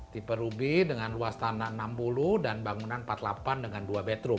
tipe ruby dengan luas tanah enam puluh dan bangunan empat puluh delapan dengan dua betruk